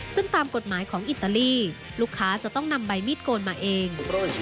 ซึ่งตามกฎหมายของอิตาลีลูกค้าจะต้องนำใบมีดโกนมาเอง